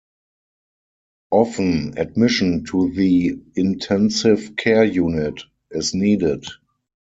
Often, admission to the intensive care unit is needed.